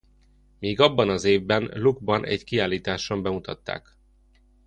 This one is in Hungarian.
Még abban az évben Luckban egy kiállításon bemutatták.